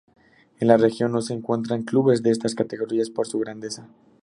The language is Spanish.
En la región no se encuentran clubes de estas categorías por su grandeza.